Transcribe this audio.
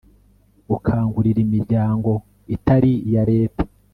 gukangurira imiryango itari iya leta